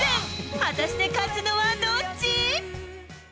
果たして勝つのはどっち？